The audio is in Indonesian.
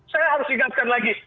saya harus ingatkan lagi